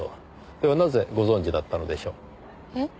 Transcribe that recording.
ではなぜご存じだったのでしょう？えっ？